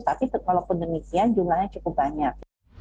tapi walaupun demikian jumlahnya cukup banyak